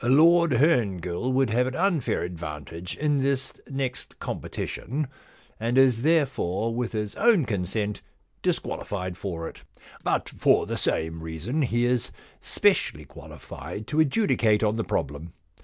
Lord Herngill would have an unfair advantage in this next com petition, and is therefore with his own consent disqualified for it. But for the same reason he is specially qualified to adjudicate on the problem.